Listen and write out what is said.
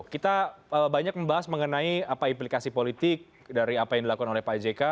kita banyak membahas mengenai apa implikasi politik dari apa yang dilakukan oleh pak jk